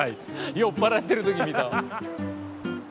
酔っ払ってるときに見た。